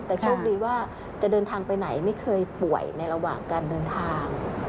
แต่โชคดีว่าจะเดินทางไปไหนไม่เคยป่วยในระหว่างการเดินทาง